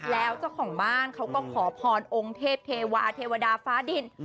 แล้วเจ้าของบ้านเขาก็ขอพรองค์เทพเทวาเทวดาฟ้าดิน